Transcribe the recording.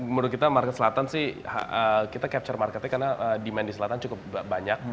menurut kita market selatan sih kita capture marketnya karena demand di selatan cukup banyak